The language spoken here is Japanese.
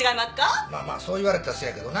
まあまあそう言われたらせやけどな。